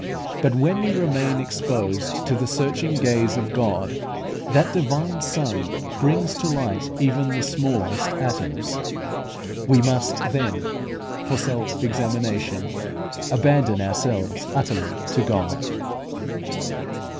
But when we remain exposed to the searching gaze of God, that Divine Sun brings to light even the smallest atoms. We must then, for self examination, abandon ourselves utterly to God.